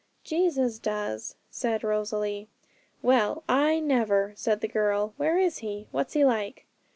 'Jesus does,' said Rosalie. 'Well, I never!' said the girl. 'Where is He? what's He like?'